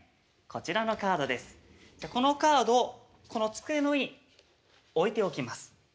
このカードをこの机の上に置いておきます。